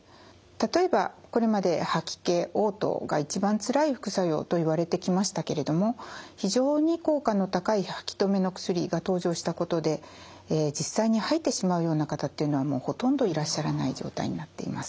例えばこれまで吐き気おう吐が一番つらい副作用といわれてきましたけれども非常に効果の高い吐き気止めの薬が登場したことで実際に吐いてしまうような方っていうのはもうほとんどいらっしゃらない状態になっています。